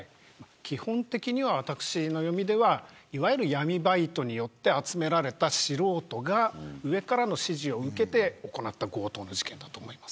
基本的に私の読みではいわゆる闇バイトによって集められた素人が上からの指示を受けて行った強盗事件だと思います。